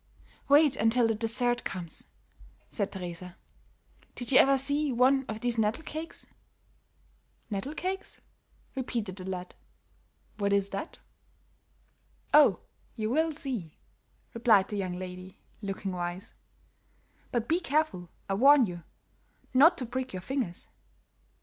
"Wait until the dessert comes," said Teresa. "Did you ever see one of these nettle cakes?" [Illustration: "IT TOWERED HIGH ABOVE HER HEAD."] "Nettle cakes?" repeated the lad. "What is that?" "Oh, you will see," replied the young lady, looking wise. "But be careful, I warn you, not to prick your fingers.